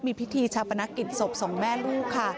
มีพิธีชาปนกิจศพสองแม่ลูกค่ะ